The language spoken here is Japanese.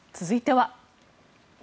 続いては。